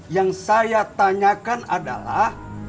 yang saya tanyakan adalah